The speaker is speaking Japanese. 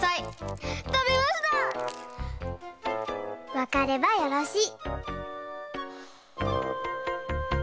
わかればよろしい。